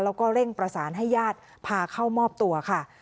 แล้วก็เร่งประสานให้ญาติพาเข้ามอบตัวค่ะ